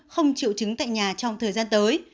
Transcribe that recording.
không chịu chứng tại nhà trong thời gian tới